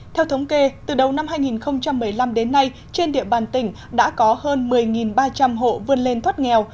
theo thống kê từ đầu năm hai nghìn một mươi năm đến nay trên địa bàn tỉnh đã có hơn một mươi ba trăm linh hộ vươn lên thoát nghèo